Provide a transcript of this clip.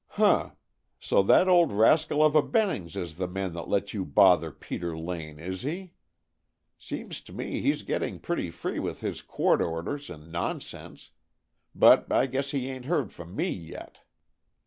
"Huh! So that old rascal of a Bennings is the man that let you bother Peter Lane, is he? Seems to me he's getting pretty free with his court orders and nonsense! But I guess he ain't heard from me yet!"